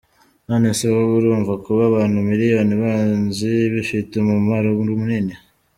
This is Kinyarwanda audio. None se wowe urumva kuba abantu miliyoni banzi, bifite umumaro munini.